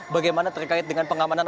bagaimana terkait dengan pengamanan